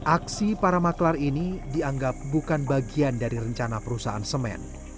aksi para maklar ini dianggap bukan bagian dari rencana perusahaan semen